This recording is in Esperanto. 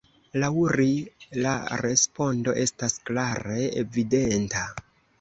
Laŭ ri, la respondo estas klare evidenta!